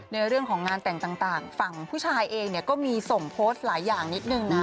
ในเรื่องของงานแต่งต่างฝั่งผู้ชายเองเนี่ยก็มีส่งโพสต์หลายอย่างนิดนึงนะ